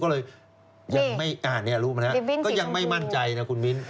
ก็ผมเห็นท่านกวาดอยู่ก็ดูแลนะ็ยังไม่มั่นใจเห็นดี